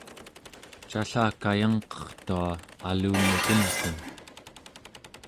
callakayangqertua alungutemkun